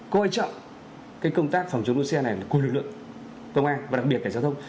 coi trọng cái công tác phòng chống đua xe này là của lực lượng công an và đặc biệt là giao thông